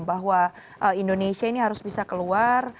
bahwa indonesia ini harus bisa keluar